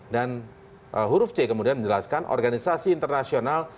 dan huruf c kemudian menjelaskan organisasi internasional